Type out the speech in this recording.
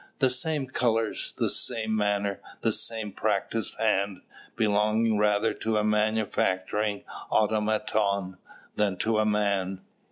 The same colours, the same manner, the same practised hand, belonging rather to a manufacturing automaton than to a man!